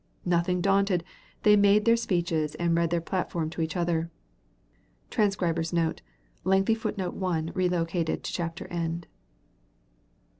Nothing daunted, they made their speeches and read their platform to each other. [Transcriber's Note: Lengthy footnote (1) relocated to chapter end.